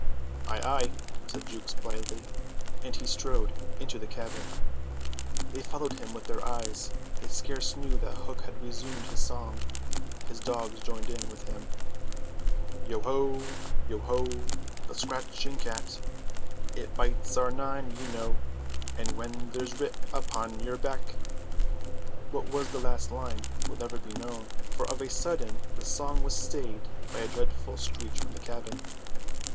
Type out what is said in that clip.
"Ay, ay," said Jukes blithely, and he strode into the cabin. They followed him with their eyes; they scarce knew that Hook had resumed his song, his dogs joining in with him: "Yo ho, yo ho, the scratching cat, Its tails are nine, you know, And when they're writ upon your back—" What was the last line will never be known, for of a sudden the song was stayed by a dreadful screech from the cabin.